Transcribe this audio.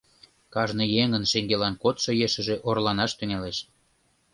Кажне еҥын шеҥгелан кодшо ешыже орланаш тӱҥалеш.